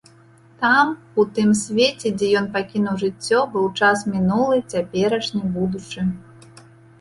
Там, у тым свеце, дзе ён пакінуў жыццё, быў час мінулы, цяперашні, будучы.